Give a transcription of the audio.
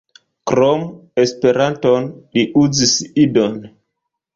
Krom Esperanton, li uzis Idon.